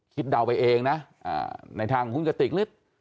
คิดเดาไปเองนะในทางของคุณกระติกนึด